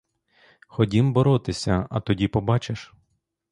Ходім боротися, а тоді побачиш.